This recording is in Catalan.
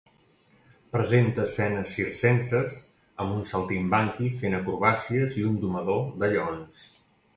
Presenta escenes circenses amb un saltimbanqui fent acrobàcies i un domador de lleons.